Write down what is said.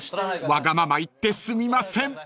［わがまま言ってすみません］